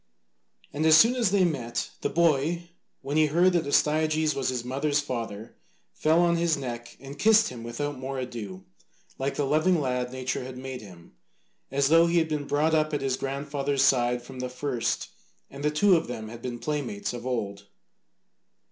And as soon as they met, the boy, when he heard that Astyages was his mother's father, fell on his neck and kissed him without more ado, like the loving lad nature had made him, as though he had been brought up at his grandfather's side from the first and the two of them had been playmates of old.